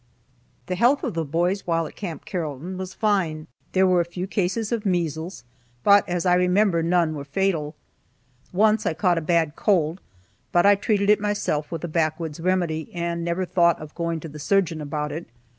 The health of the boys while at Camp Carrollton was fine. There were a few cases of measles, but as I remember, none were fatal. Once I caught a bad cold, but I treated it myself with a backwoods remedy and never thought of going to the surgeon about it.